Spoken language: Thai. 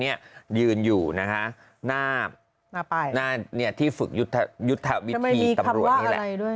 ยืนอยู่นะคะหน้าที่ฝึกยุทธวิธีตำรวจนี่แหละ